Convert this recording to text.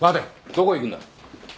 どこ行くんだ？